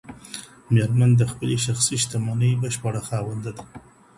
مېرمن د خپلي شخصي شتمنۍ بشپړه خاونده ده.